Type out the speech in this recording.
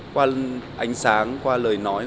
qua ánh sáng qua lời nói